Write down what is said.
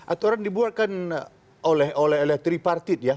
aturan dibuatkan oleh electri partit ya